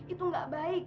itu gak baik